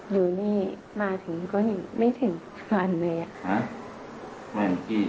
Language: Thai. อยู่นี่มาถึงก็ไม่ถึงวันเลยอะค่ะ